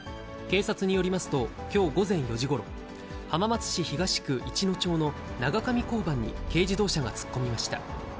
警察によりますと、きょう午前４時ごろ、浜松市東区市野町の長上交番に軽自動車が突っ込みました。